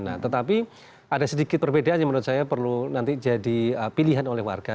nah tetapi ada sedikit perbedaan yang menurut saya perlu nanti jadi pilihan oleh warga